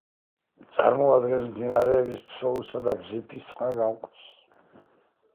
წარმოადგენს მდინარეების ფსოუსა და ბზიფის წყალგამყოფს.